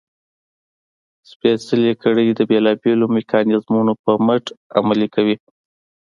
سپېڅلې کړۍ د بېلابېلو میکانیزمونو پر مټ عمل کوي.